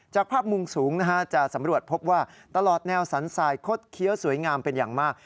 จากภาพมุมสูงจะสำรวจพบว่าตลอดแนวสันทรายคดเคี้ยวสวยงามเป็นอย่างมาก